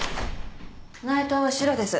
・内藤はシロです。